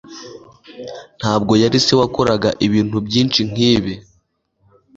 ntabwo yari se wakoraga ibintu byinshi nkibi